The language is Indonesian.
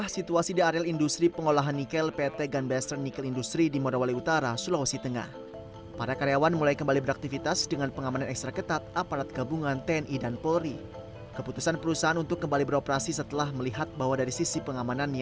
situasinya masih dalam keadaan